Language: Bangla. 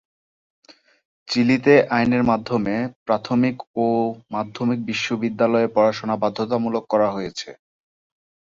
চিলিতে আইনের মাধ্যমে প্রাথমিক ও মাধ্যমিক বিদ্যালয়ে পড়াশোনা বাধ্যতামূলক করা হয়েছে।